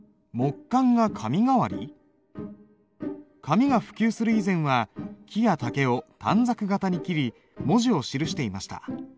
紙が普及する以前は木や竹を短冊形に切り文字を記していました。